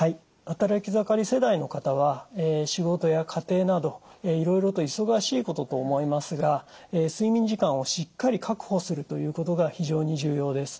働き盛り世代の方は仕事や家庭などいろいろと忙しいことと思いますが睡眠時間をしっかり確保するということが非常に重要です。